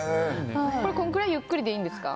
このくらいゆっくりでいいんですか。